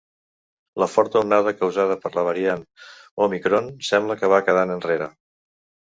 La forta onada causada per la variant òmicron sembla que va quedant enrere.